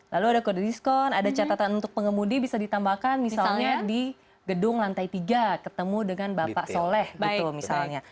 lalu ada kode diskon ada catatan untuk pengemudi bisa ditambahkan misalnya di gedung lantai tiga ketemu dengan bapak soleh gitu misalnya